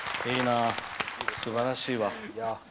いいな、すばらしいわ。